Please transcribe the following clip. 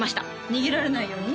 逃げられないように？